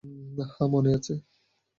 হ্যাঁ, মনে আছে।